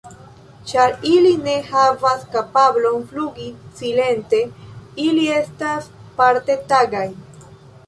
Ĉar ili ne havas kapablon flugi silente, ili estas parte tagaj.